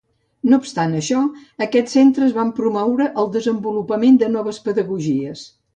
No obstant això, aquests centres van promoure el desenvolupament de les noves pedagogies.